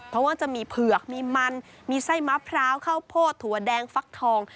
เพราะว่าจะมีเผือกมีมันมีไส้มะพร้าวข้าวโพดถั่วแดงฟักทอง